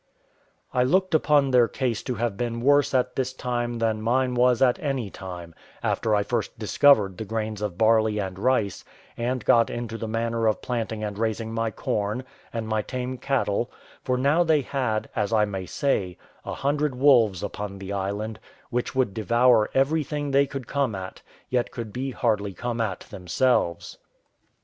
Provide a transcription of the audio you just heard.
I looked upon their case to have been worse at this time than mine was at any time, after I first discovered the grains of barley and rice, and got into the manner of planting and raising my corn, and my tame cattle; for now they had, as I may say, a hundred wolves upon the island, which would devour everything they could come at, yet could be hardly come at themselves.